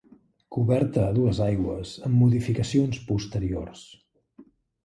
Coberta a dues aigües amb modificacions posteriors.